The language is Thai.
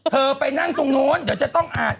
ไปนั่งตรงนู้นเดี๋ยวจะต้องอ่าน